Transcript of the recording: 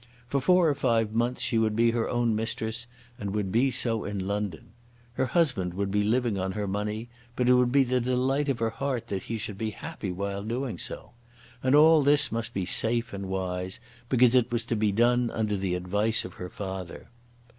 For four or five months she would be her own mistress, and would be so in London. Her husband would be living on her money, but it would be the delight of her heart that he should be happy while doing so. And all this must be safe and wise, because it was to be done under the advice of her father.